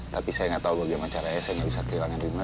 tapi saya nggak tahu bagaimana caranya saya nggak bisa kehilangan rina